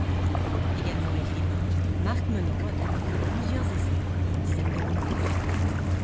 Également écrivain, Marc Menant a publié plusieurs essais et une dizaine de romans.